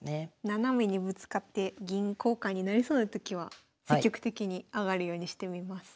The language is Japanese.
斜めにぶつかって銀交換になりそうなときは積極的に上がるようにしてみます。